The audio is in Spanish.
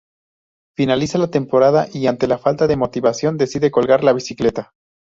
Finaliza la temporada y ante la falta de motivación decide colgar la bicicleta.